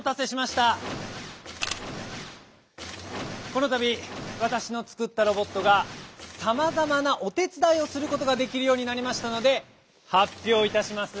このたびわたしのつくったロボットがさまざまなおてつだいをすることができるようになりましたので発表いたします。